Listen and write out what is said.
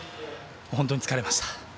本当に疲れました。